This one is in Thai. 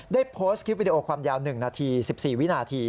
ได้โพสต์คลิปวิดีโอความยาว๑นาที๑๔วินาที